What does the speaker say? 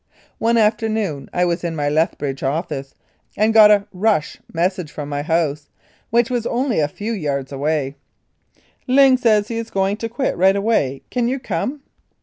One afternoon I was in my Lethbridge office and got a "rush" mes sage from my house, which was only a few yards away :" Ling says he is going to quit, right away. Can you come?"